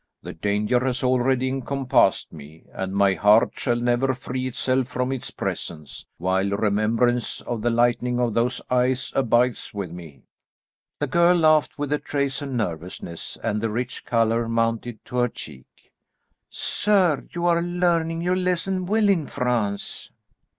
The danger has already encompassed me, and my heart shall never free itself from its presence, while remembrance of the lightning of those eyes abides with me." The girl laughed with a trace of nervousness, and the rich colour mounted to her cheek. "Sir, you are learning your lesson well in France."